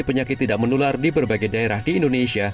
penyakit tidak menular di berbagai daerah di indonesia